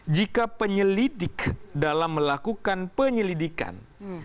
jika penyelidik dalam melakukan penyelidikan